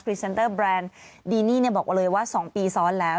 เซนเตอร์แบรนด์ดีนี่บอกเลยว่า๒ปีซ้อนแล้ว